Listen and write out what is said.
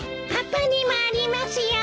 パパにもありますよ。